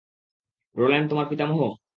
Roland তোমার পিতামহ?